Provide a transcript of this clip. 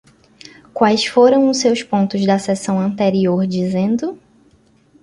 Quais foram os seus pontos da sessão anterior dizendo?